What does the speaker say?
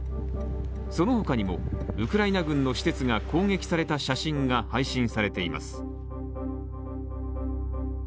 その他にも、ウクライナ軍の施設が攻撃された写真が配信されています。